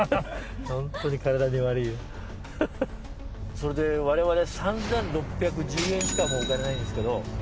それで我々３，６１０円しかもうお金ないんですけど。